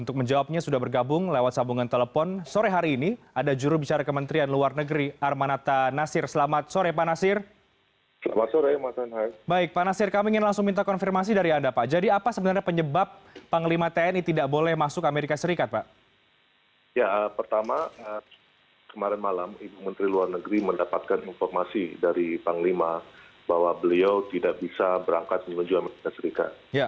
ketika diberi informasi dari panglima bahwa beliau tidak bisa berangkat menuju amerika serikat